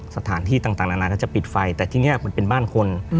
สถานที่ต่างนานาก็จะปิดไฟแต่ที่นี่มันเป็นบ้านคน